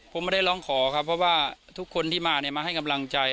ผมไม่ได้ร้องขอครับเพราะว่าทุกคนที่มาเนี่ยมาให้กำลังใจ